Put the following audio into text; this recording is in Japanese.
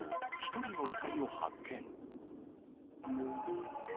１人の遺体を発見。